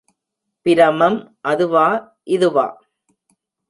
பிரமம் அதுவா, இதுவா?